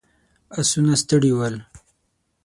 آسونه ستړي ول.